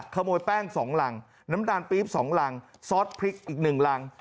ขโมยแป้ง๒รังน้ำตาลปี๊บ๒รังซอสพริกอีก๑รัง